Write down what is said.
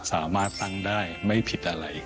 สามารถตั้งได้ไม่ผิดอะไร